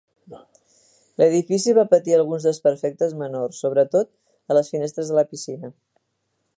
L'edifici va patir alguns desperfectes menors, sobretot a les finestres de la piscina.